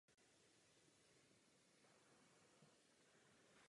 Zájem o jeho služby údajně projevilo několik klubů z Anglie i Itálie.